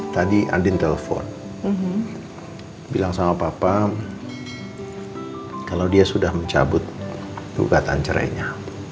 tadi andin telpon bilang sama papa kalau dia sudah mencabut gugatan cerainya